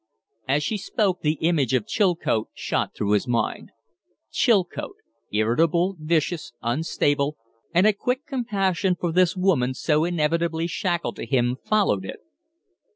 As she spoke the image of Chilcote shot through his mind. Chilcote, irritable, vicious, unstable, and a quick compassion for this woman so inevitably shackled to him followed it.